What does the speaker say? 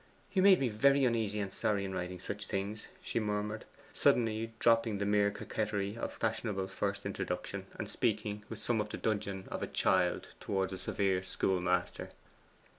'You made me very uneasy and sorry by writing such things!' she murmured, suddenly dropping the mere cacueterie of a fashionable first introduction, and speaking with some of the dudgeon of a child towards a severe schoolmaster.